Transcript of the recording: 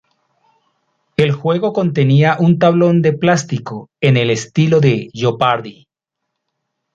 El juego contenía un tablón de plástico en el estilo de "Jeopardy!